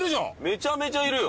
めちゃめちゃいるよ！